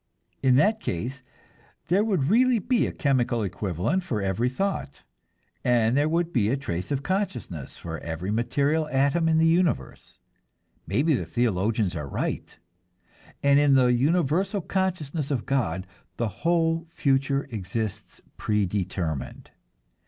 In that case there would really be a chemical equivalent for every thought, and there would be a trace of consciousness for every material atom in the universe. Maybe the theologians are right, and in the universal consciousness of God the whole future exists predetermined.